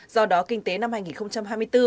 do đó kinh tế năm hai nghìn hai mươi bốn